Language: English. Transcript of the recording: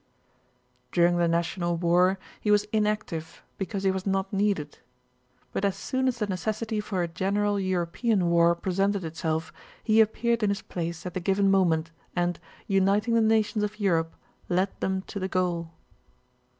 During the national war he was inactive because he was not needed. But as soon as the necessity for a general European war presented itself he appeared in his place at the given moment and, uniting the nations of Europe, led them to the goal.